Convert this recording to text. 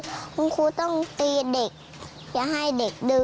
ตีเองเพราะว่าคุณครูต้องตีเด็กอย่าให้เด็กดื่ม